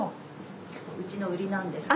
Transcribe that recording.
うちの売りなんです。